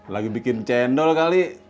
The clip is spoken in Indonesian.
lagi bikin cendol kali